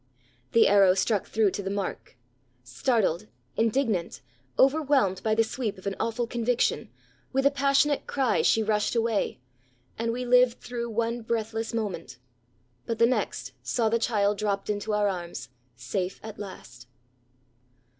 The arrow struck through to the mark. Startled, indignant, overwhelmed by the sweep of an awful conviction, with a passionate cry she rushed away; and we lived through one breathless moment, but the next saw the child dropped into our arms, safe at last.